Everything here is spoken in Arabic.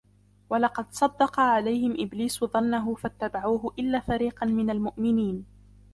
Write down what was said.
وَلَقَدْ صَدَّقَ عَلَيْهِمْ إِبْلِيسُ ظَنَّهُ فَاتَّبَعُوهُ إِلَّا فَرِيقًا مِنَ الْمُؤْمِنِينَ